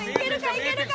いけるか？